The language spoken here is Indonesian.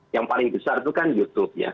yang paling besar itu kan youtube ya